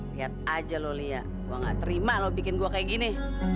lihat aja loh lia gue gak terima lo bikin gue kayak gini